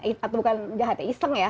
atau bukan jahat ya iseng ya